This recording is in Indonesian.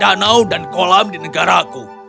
dan semua danau dan kolam di negaraku